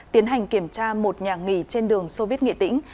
tiến hành kiểm tra một nhà nghỉ trên đường soviet nghệ tĩnh